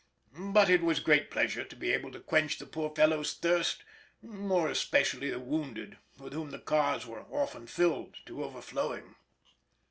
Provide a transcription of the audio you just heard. But it was great pleasure to be able to quench the poor fellows' thirst, more especially the wounded, with whom the cars were often filled to overflowing.